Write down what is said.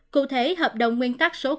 cụ thể hợp đồng nguyên tắc số bảy